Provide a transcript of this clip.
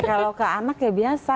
kalau ke anak ya biasa